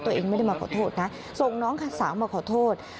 ตัวเองไม่ได้มาขอโทษนะส่งน้องสาวมาขอโทษ